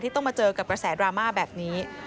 ต้องมาเจอกับกระแสดราม่าแบบนี้